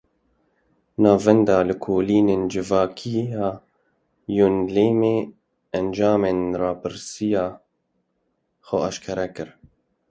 Navenda Lêkolînên Civakî ya Yoneylemê encamên rapirsiya xwe eşkere kir.